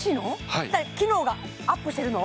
はい機能がアップしてるの？